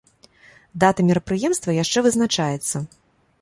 Дата мерапрыемства яшчэ вызначаецца.